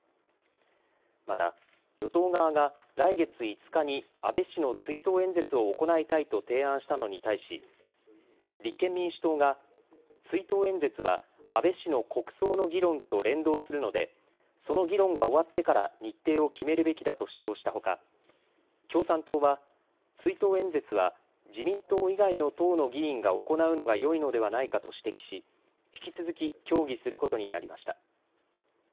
また与党側が来月５日に安倍氏の追悼演説を行いたいと提案したのに対し、立憲民主党が追悼演説は安倍氏の国葬の議論と連動するのでその議論が終わってから日程を決めるべきだと主張したほか、共産党は、追悼演説は自民党以外の党の議員が行うのがよいのではないかと指摘し引き続き協議することになりました。